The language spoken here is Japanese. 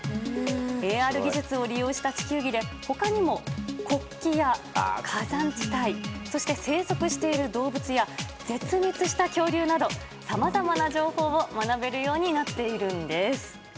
ＡＲ技術を利用した地球儀で他にも国旗や火山地帯そして生息している動物や絶滅した恐竜などさまざまな情報を学べるようになっているんです。